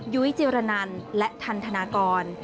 ยุ้ยจิรนันและทันธนากร